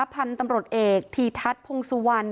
พันธุ์ตำรวจเอกทีทัศน์พงศุวรรณ